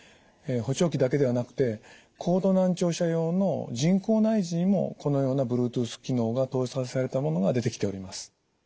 補聴器だけではなくて高度難聴者用の人工内耳にもこのようなブルートゥース機能が搭載されたものが出てきております。